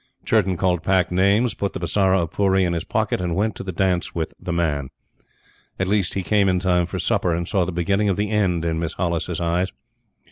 Churton called Pack names, put the Bisara of Pooree in his pocket, and went to the dance with The Man. At least, he came in time for supper, and saw the beginning of the end in Miss Hollis's eyes.